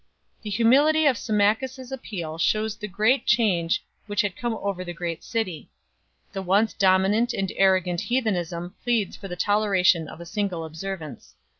The humility of Symmachus s appeal shews the great change which had come over the great city; the once dominant and arrogant heathenism pleads for the toleration of a single observance.